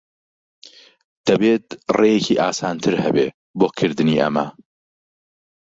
دەبێت ڕێیەکی ئاسانتر ھەبێت بۆ کردنی ئەمە.